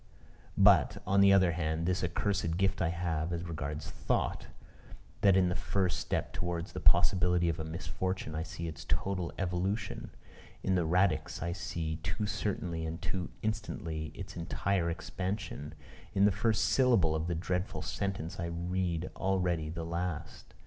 But, on the other hand, this accursed gift I have, as regards thought, that in the first step towards the possibility of a misfortune, I see its total evolution: in the radix I see too certainly and too instantly its entire expansion; in the first syllable of the dreadful sentence, I read already the last.